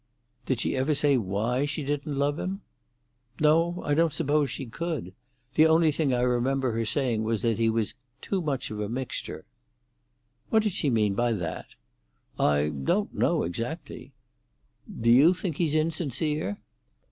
"Did she ever say why she didn't love him?" "No; I don't suppose she could. The only thing I remember her saying was that he was 'too much of a mixture.'" "What did she mean by that?" "I don't know exactly." "Do you think he's insincere?"